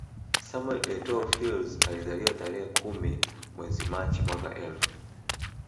Samuel Etoo Fils alizaliwa tarehe kumi mwezi Machi mwaka elfu